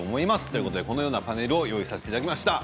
ということでこのようなパネルを用意させていただきました。